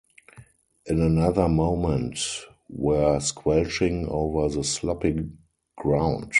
In another moment were squelching over the sloppy ground.